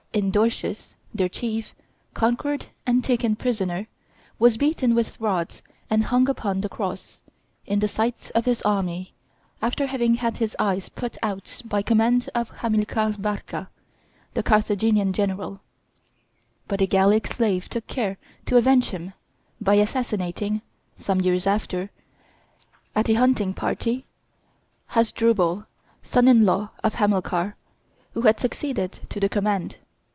Indortius, their chief, conquered and taken prisoner, was beaten with rods and hung upon the cross, in the sight of his army, after having had his eyes put out by command of Hamilcar Barca, the Carthaginian general; but a Gallic slave took care to avenge him by assassinating, some years after, at a hunting party, Hasdrubal, son in law of Hamilcar, who had succeeded to the command.